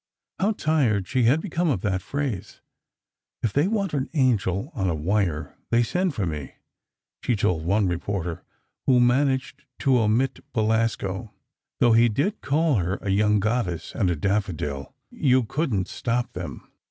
How tired she had become of that phrase! "If they want an angel on a wire, they send for me," she told one reporter, who managed to omit Belasco, though he did call her "a young goddess" and a "daffodil." You couldn't stop them.